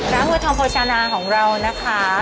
วัวทองโภชานาของเรานะคะ